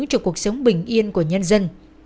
trong cuộc sống bình yên của nhân dân